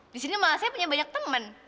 di sini malah saya punya banyak teman